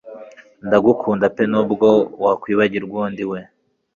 Ndagukunda pe nubwo wakwibagirwa uwo ndi we